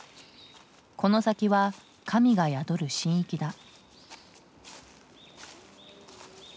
この先は神が宿る神域だ。